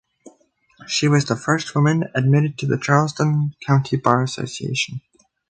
She was the first woman admitted to the Charleston County Bar Association.